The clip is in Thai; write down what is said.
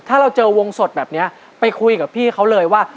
ถ้าเราเจอวงสดแบบนี้ไปคุยกับพี่เขาเลยว่า